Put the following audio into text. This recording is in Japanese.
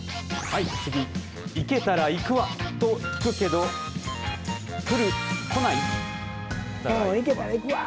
次、行けたら行くわと聞くけど来る、こない。